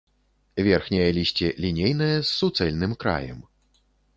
Верхняе лісце лінейнае, з суцэльным краем.